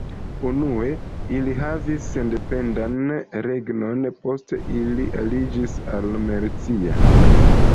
Unue ili havis sendependan regnon: poste ili aliĝis al Mercia.